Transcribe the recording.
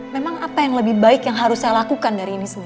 memang apa yang lebih baik yang harus saya lakukan dari ini semua